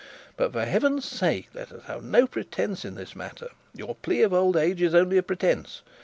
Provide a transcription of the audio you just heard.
But for heaven's sake let us have no pretence in this matter. Your plea of old age is only a pretence.